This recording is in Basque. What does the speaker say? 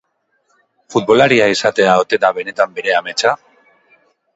Futbolaria izatea ote da benetan bere ametsa?